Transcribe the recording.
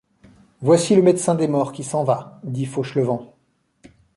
Voici le médecin des morts qui s’en va, dit Fauchelevent.